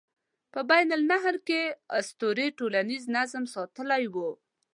په بین النهرین کې اسطورې ټولنیز نظم ساتلی و.